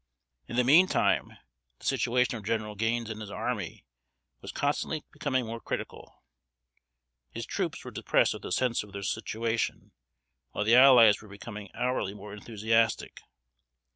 In the meantime, the situation of General Gaines and his army was constantly becoming more critical. His troops were depressed with a sense of their situation; while the allies were becoming hourly more enthusiastic.